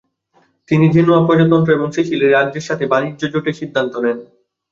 তিনি জেনোয়া প্রজাতন্ত্র এবং সিসিলি রাজ্যের সাথে বাণিজ্য জোটের সিদ্ধান্ত নেন।